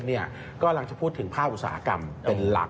กำลังจะพูดถึงภาคอุตสาหกรรมเป็นหลัก